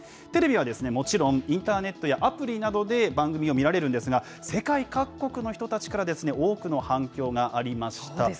テレビはもちろん、インターネットやアプリなどで、番組を見られるんですが、世界各国の人たちから、多くの反響がありました。